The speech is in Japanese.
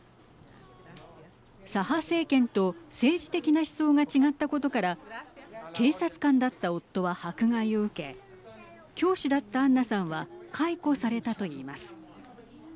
左派政権と政治的な思想が違ったことから警察官だった夫は迫害を受け教師だったアンナさんは解雇されたといいます。